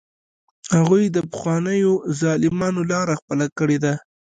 هغوی د پخوانیو ظالمانو لاره خپله کړې ده.